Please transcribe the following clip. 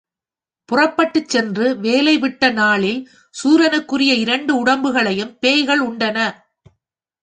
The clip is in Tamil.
புறப்பட்டுச் சென்று வேலை விட்ட நாளில் சூரனுக்குரிய இரண்டு உடம்புகளையும் பேய்கள் உண்டன.